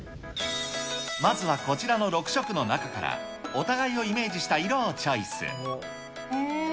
まずはこちらの６色の中から、お互いをイメージした色をチョイえー。